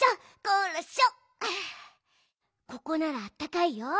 ここならあったかいよ。